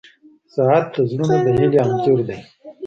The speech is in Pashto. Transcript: • ساعت د زړونو د هیلې انځور دی.